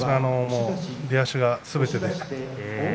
出足がすべてでした。